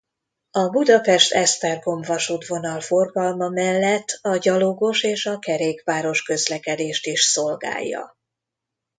A Budapest–Esztergom-vasútvonal forgalma mellett a gyalogos és a kerékpáros közlekedést is szolgálja.